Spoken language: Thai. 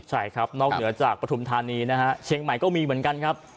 ใช่ครับนอกเหนือจากปฐุมธานีนะฮะเชียงใหม่ก็มีเหมือนกันครับ